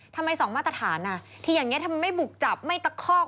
ทำไมสองมาตรฐานที่อย่างนี้ทำไมไม่บุกจับไม่ตะคอก